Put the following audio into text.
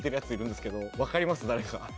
誰か。